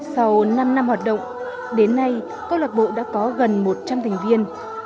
sau năm năm hoạt động đến nay câu lạc bộ đã có gần một trăm linh thành viên